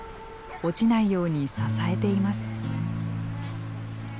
落ちないように支えています。